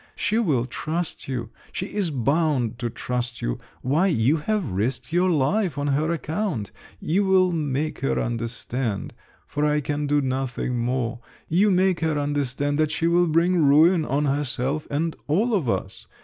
She will trust you! She is bound to trust you—why, you have risked your life on her account! You will make her understand, for I can do nothing more; you make her understand that she will bring ruin on herself and all of us.